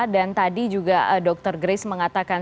dan tadi juga dokter grace mengatakan